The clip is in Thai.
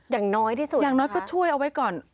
อย่างน้อยที่สุดอย่างน้อยก็ช่วยเอาไว้ก่อน